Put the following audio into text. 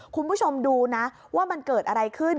คุณผู้ชมดูนะว่ามันเกิดอะไรขึ้น